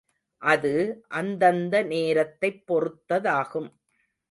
அது, அந்தந்த நேரத்தைப் பொறுத்ததாகும்.